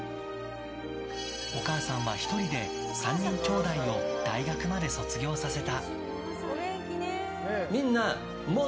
お母さんは１人で３きょうだいを大学まで卒業させた。